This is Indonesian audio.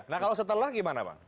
nah kalau setelah gimana bang